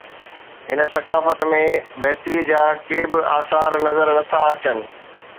هن ثقافت ۾ بهتري جا ڪي به آثار نظر نه ٿا اچن.